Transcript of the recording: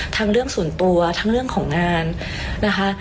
เรื่องส่วนตัวทั้งเรื่องของงานนะคะ